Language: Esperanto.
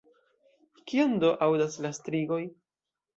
Kion do aŭdas la strigoj?